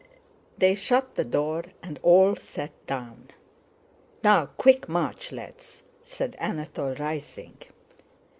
They shut the door and all sat down. "Now, quick march, lads!" said Anatole, rising.